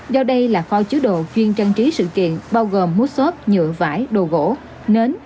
do đây là kho chứa đồ chuyên trang trí sự kiện bao gồm mút xốp nhựa vải đồ gỗ nến